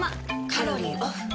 カロリーオフ。